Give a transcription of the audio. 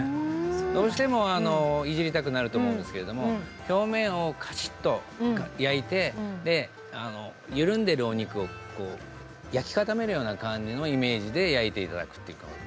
どうしてもいじりたくなると思うんですけれども表面をかしっと焼いて緩んでいるお肉を焼きかためるような感じのイメージで焼いて頂くということが大事ですね。